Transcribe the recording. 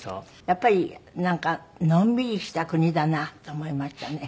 やっぱりなんかのんびりした国だなと思いましたね。